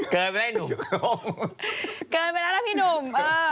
เกินไปได้ล่ะพี่หนุ่ม